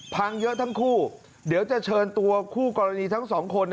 พังเยอะทั้งคู่เดี๋ยวจะเชิญตัวคู่กรณีทั้งสองคน